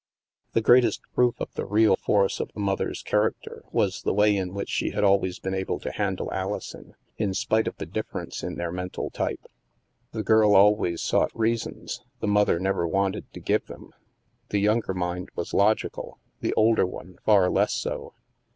The greatest proof of the real force of the mother's character was the way in which she had always been able to handle Alison, in spite of the difference in their mental type. The girl always sought reasons, the mother never wanted to give them; the younger mind was logical, the older one far less so.